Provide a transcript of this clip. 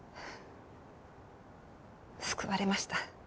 救われました。